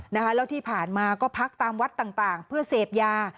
แล้วที่ผ่านมาก็พักตามวัดต่างเพื่อเสพยา